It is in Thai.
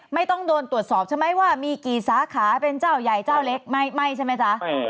ไม่ต้องโดนตรวจสอบใช่ไหมว่ามีกี่สาขาเป็นเจ้าใหญ่เจ้าเล็กไม่ใช่ไหมจ๊ะ